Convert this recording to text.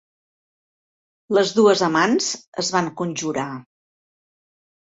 Les dues amants es van conjurar.